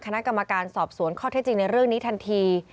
คณะกรรมการสอบสวนข้อเท็จจริงในเรื่องนี้ทันที